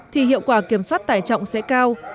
thì hiệu quả kiểm soát tải trọng sẽ cao